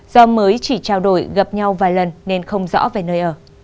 do mới chỉ trao đổi gặp nhau vài lần nên không rõ về nơi ở